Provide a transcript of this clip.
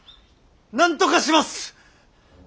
なんとかします！